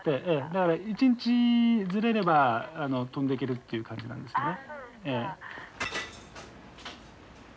だから１日ずれれば飛んでいけるという感じなんですけどね。